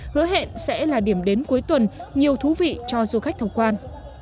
hứa hẹn sẽ là điểm đến cuối tuần nhiều thú vị cho du khách tham quan